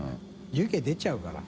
魑出ちゃうから。